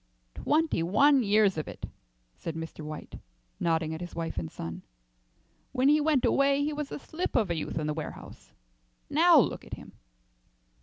"Twenty one years of it," said Mr. White, nodding at his wife and son. "When he went away he was a slip of a youth in the warehouse. Now look at him."